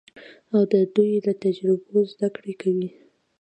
او د دوی له تجربو زده کړه کوي.